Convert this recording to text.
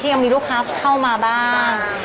ยังมีลูกค้าเข้ามาบ้าง